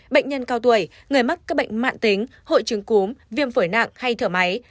bệnh nhân cao tuổi người mắc các bệnh mạng tính hội chứng cúm viêm phổi nặng hay thở máy